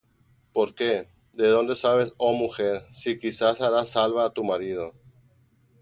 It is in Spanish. Porque ¿de dónde sabes, oh mujer, si quizá harás salva á tu marido?